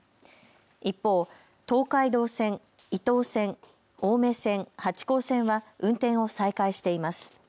一方、東海道線、伊東線、青梅線、八高線は運転を再開しています。